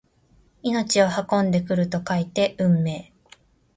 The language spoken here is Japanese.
命を運んでくると書いて運命！